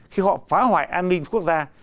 khi họ phá hoại an ninh quốc gia